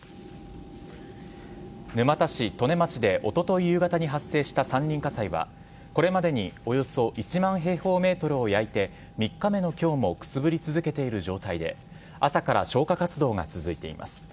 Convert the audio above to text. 沼田市利根町でおととい夕方に発生した山林火災は、これまでにおよそ１万平方メートルを焼いて、３日目のきょうもくすぶり続けている状態で、朝から消火活動が続いています。